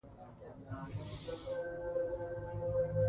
دوی به په سمه توګه لوستل سوي وي.